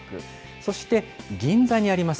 そして、銀座にあります